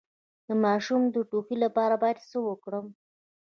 د ماشوم د ټوخي لپاره باید څه وکړم؟